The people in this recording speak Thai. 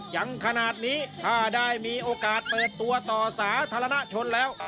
ยังขนาดนี้ถ้าได้มีโอกาสเปิดตัวต่อสาธารณชนแล้ว